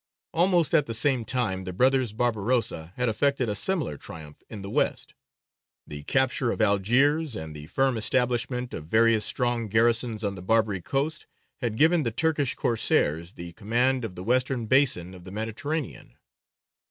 Almost at the same time the brothers Barbarossa had effected a similar triumph in the west. The capture of Algiers and the firm establishment of various strong garrisons on the Barbary coast had given the Turkish Corsairs the command of the western basin of the Mediterranean.